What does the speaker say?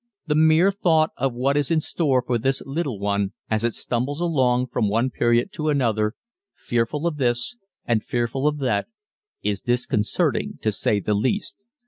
The mere thought of what is in store for this little one as it stumbles along from one period to another, fearful of this, and fearful of that, is disconcerting to say the least.